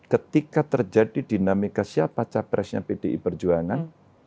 ketika terjadi dinamika siapa capresnya pdi perjuangan